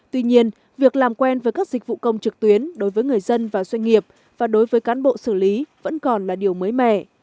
tuy nhiên việc làm quen với các dịch vụ công trực tuyến đối với người dân và doanh nghiệp và đối với cán bộ xử lý vẫn còn là điều mới mẻ